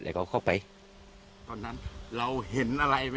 แล้วลูกค้าตอนไหน